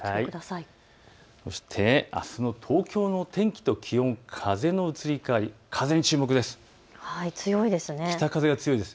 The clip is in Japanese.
そしてあすの東京の天気と気温、風の移り変わり風に注目です。